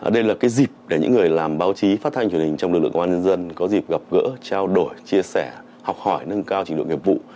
đây là cái dịp để những người làm báo chí phát thanh truyền hình trong lực lượng công an nhân dân có dịp gặp gỡ trao đổi chia sẻ học hỏi nâng cao trình độ nghiệp vụ